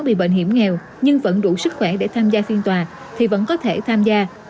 bị bệnh hiểm nghèo nhưng vẫn đủ sức khỏe để tham gia phiên tòa thì vẫn có thể tham gia